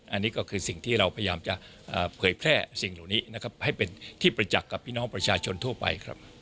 อันนี้ก็คือสิ่งที่เราพยายามจะเผยแพร่สิ่งเหล่านี้นะครับให้เป็นที่ประจักษ์กับพี่น้องประชาชนทั่วไปครับ